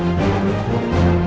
aku akan menang